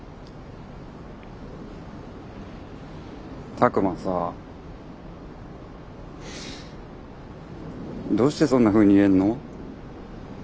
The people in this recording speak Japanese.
拓真さあどうしてそんなふうに言えんの？